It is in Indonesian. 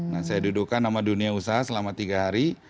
nah saya dudukkan sama dunia usaha selama tiga hari